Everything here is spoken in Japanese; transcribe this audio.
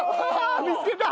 見つけた！